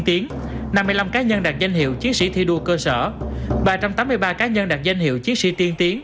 tiến năm mươi năm cá nhân đạt danh hiệu chiến sĩ thi đua cơ sở ba trăm tám mươi ba cá nhân đạt danh hiệu chiến sĩ tiên tiến